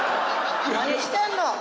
何してんの。